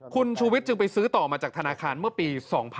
คุณชูวิทยจึงไปซื้อต่อมาจากธนาคารเมื่อปี๒๕๖๒